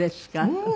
うん。